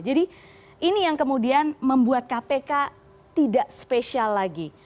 jadi ini yang kemudian membuat kpk tidak spesial lagi